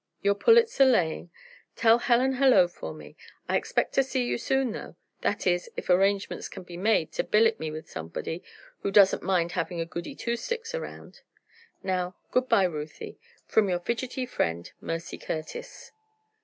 Your pullets are laying. Tell Helen 'Hullo!' for me. I expect to see you soon, though that is, if arrangements can be made to billet me with somebody who doesn't mind having a Goody Two Sticks around. "Now, good bye, Ruthie, "From your fidgetty friend, "MERCY CURTIS."